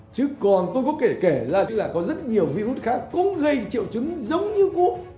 chứ còn tôi có kể kể là có rất nhiều virus khác cũng gây triệu chứng giống như cúm